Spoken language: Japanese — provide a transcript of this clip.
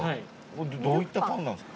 どういったパンなんですか？